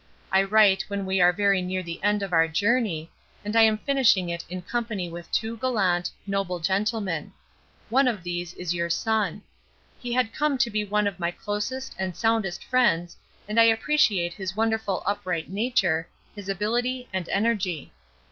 I write when we are very near the end of our journey, and I am finishing it in company with two gallant, noble gentlemen. One of these is your son. He had come to be one of my closest and soundest friends, and I appreciate his wonderful upright nature, his ability and energy.